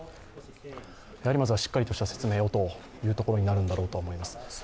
まずはしっかりとした説明をというところになるんだろうと思います。